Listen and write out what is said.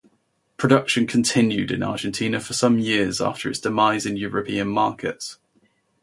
Production continued in Argentina for some years after its demise in European markets.